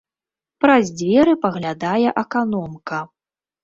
Праз дзверы паглядае аканомка.